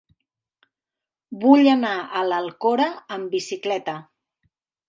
Vull anar a l'Alcora amb bicicleta.